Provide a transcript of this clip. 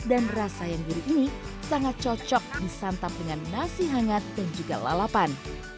dan rasa yang diri ini sangat cocok disantap dengan nasi hangat dan juga lalapan